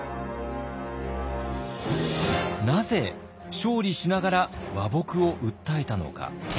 なぜ勝利しながら和睦を訴えたのか？